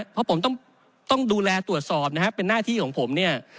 เพราะผมต้องดูแลตรวจสอบนะครับเป็นหน้าที่ของผมเนี่ย